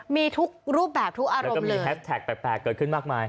มีทุกรูปแบบทุกอารมณ์ก็มีแฮสแท็กแปลกเกิดขึ้นมากมาย